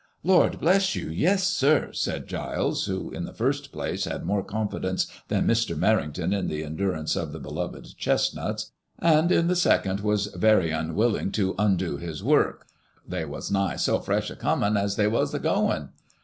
" Lord bless you, yes, sir," said Giles, who in the first place had more confidence than Mr. Merrington in the endurance of the beloved chesnuts, and in the second was very unwilling to undo his work, " they was nigh so fresh a comin' as they was a gom .